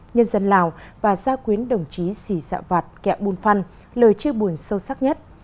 nhân dân lào và gia quyến đồng chí sĩ dạ vạt kẹo bùn phăn lời chia buồn sâu sắc nhất